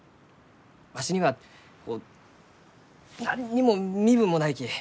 わしにはこう何にも身分もないき。